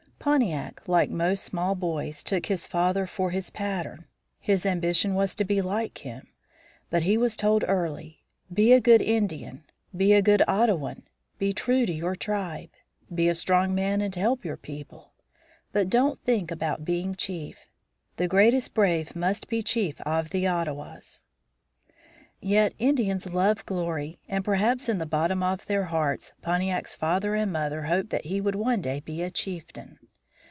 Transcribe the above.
Pontiac, like most small boys, took his father for his pattern. His ambition was to be like him. But he was told early, "Be a good Indian. Be a good Ottawan. Be true to your tribe. Be a strong man and help your people. But don't think about being chief. The greatest brave must be chief of the Ottawas." Yet, Indians love glory and perhaps in the bottom of their hearts Pontiac's father and mother hoped that he would one day be a chieftain.